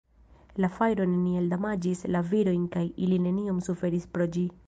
La fajro neniel damaĝis la virojn kaj ili neniom suferis pro ĝi.